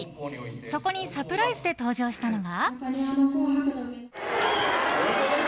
そこにサプライズで登場したのが。